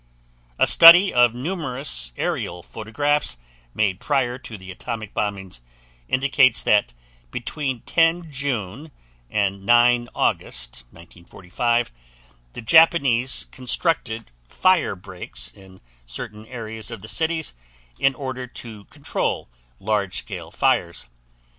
A study of numerous aerial photographs made prior to the atomic bombings indicates that between 10 June and 9 August 1945 the Japanese constructed fire breaks in certain areas of the cities in order to control large scale fires.